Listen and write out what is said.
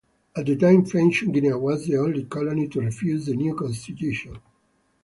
At the time French Guinea was the only colony to refuse the new constitution.